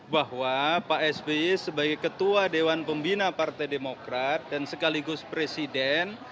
bahwa pak sby sebagai ketua dewan pembina partai demokrat dan sekaligus presiden